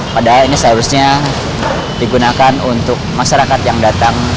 padahal ini seharusnya digunakan untuk masyarakat yang datang